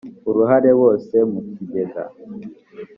uruhare bose mu kigega